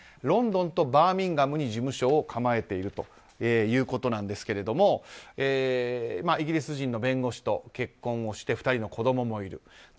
ロンドンとバーミンガムに事務所を構えているんですけどイギリス人の弁護士と結婚をして２人の子供もいる。